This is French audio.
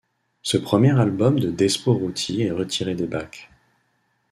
Ce premier album de Despo Rutti est retiré des bacs.